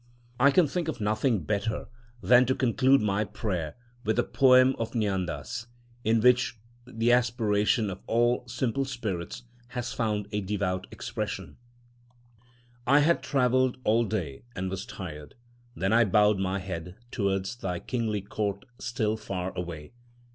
I can think of nothing better than to conclude my paper with a poem of Jnândâs, in which the aspiration of all simple spirits has found a devout expression: I had travelled all day and was tired; then I bowed my head towards thy kingly court still far away.